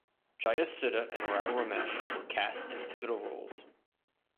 Jayasudha and Rao Ramesh were cast in pivotal roles.